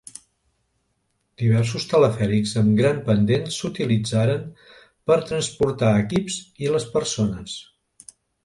Diversos telefèrics amb gran pendent s'utilitzaren per transportar equips i les persones.